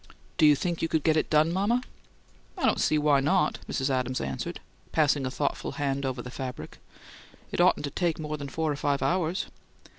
"Do you think you could get it done, mama?" "I don't see why not," Mrs. Adams answered, passing a thoughtful hand over the fabric. "It oughtn't to take more than four or five hours."